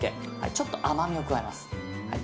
ちょっと甘みを加えます。